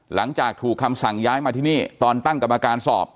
หลังจากถูกคำสั่งย้ายมาที่นี่ตอนตั้งกรรมการสอบ